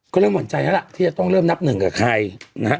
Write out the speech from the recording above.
ก็เริ่มหวั่นใจแล้วล่ะที่จะต้องเริ่มนับหนึ่งกับใครนะฮะ